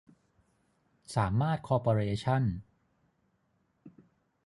สามารถคอร์ปอเรชั่น